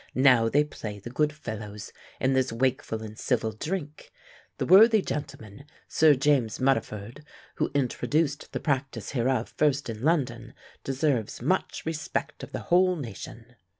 Now they play the good fellows in this wakeful and civil drink. The worthy gentleman, Sir James Muddiford, who introduced the practice hereof first in London, deserves much respect of the whole nation."